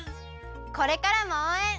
これからもおうえん。